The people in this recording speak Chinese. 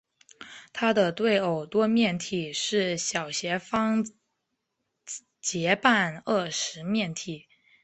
它的对偶多面体是小斜方截半二十面体。